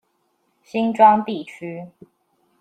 新莊地區